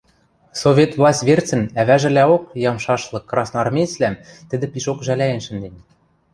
Совет власть верцӹн ӓвӓжӹлӓок ямшашлык красноармеецвлӓм тӹдӹ пишок жӓлӓен шӹнден.